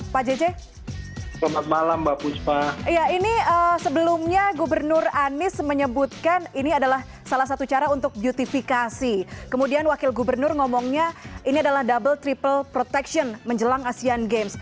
pemerintah provinsi dki jakarta jakarta